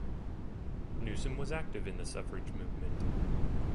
Newsom was active in the suffrage movement.